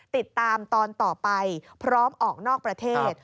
ติดตามตอนต่อไปพร้อมออกนอกประเทศ